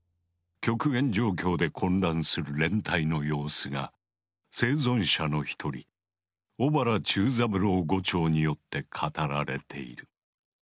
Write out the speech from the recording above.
極限状況で混乱する連隊の様子が生存者の一人小原忠三郎伍長によって語られている。